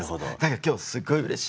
今日すっごいうれしい。